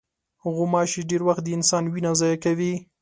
غوماشې ډېری وخت د انسان وینه ضایع کوي.